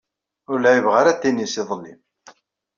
Ur lɛibeɣ ara tinis iḍelli.